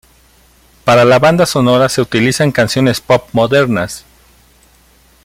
Para la banda sonora se utilizan canciones pop modernas.